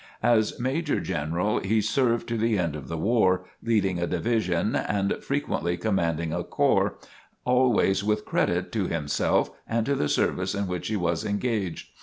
As Major General he served to the end of the war, leading a Division and frequently commanding a corps always with credit to himself and to the service in which he was engaged.